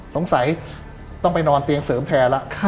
สงสัยต้องไปนอนเตียงเสริมแพร่แล้ว